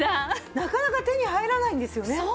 なかなか手に入らないんですよね？